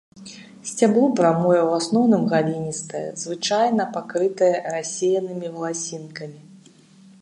Сцябло прамое, у асноўным галінастае, звычайна пакрытае рассеянымі валасінкамі.